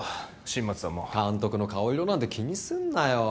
新町さんも監督の顔色なんて気にすんなよ